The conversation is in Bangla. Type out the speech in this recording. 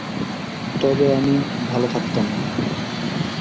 তবে, আমি ভালো থাকতাম না।